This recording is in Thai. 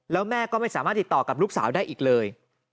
แล้วแม่ก็ไม่สามารถติดต่อกับลูกสาวได้อีกเลย